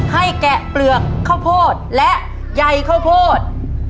แกะเปลือกข้าวโพดและใยข้าวโพด